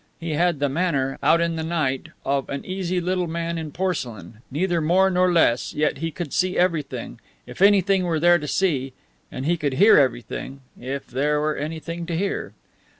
He had the manner, out in the night, of an easy little man in porcelain, neither more nor less, yet he could see everything if anything were there to see and he could hear everything if there were anything to hear.